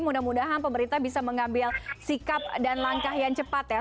mudah mudahan pemerintah bisa mengambil sikap dan langkah yang cepat ya